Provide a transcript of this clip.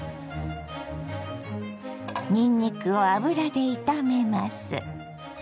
にんにくを油で炒めます。